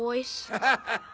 ウハハハ！